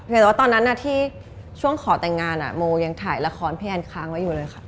แต่ว่าตอนนั้นที่ช่วงขอแต่งงานโมยังถ่ายละครพี่แอนค้างไว้อยู่เลยค่ะ